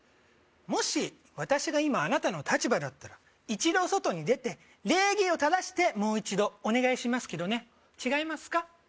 もし私が今あなたの立場だったら一度外に出て礼儀を正してもう一度お願いしますけどね違いますか？